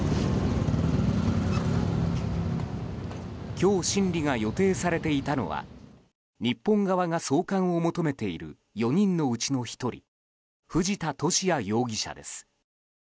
今日、審理が予定されていたのは日本側が送還を求めてる４人のうちの１人藤田聖也容疑者です。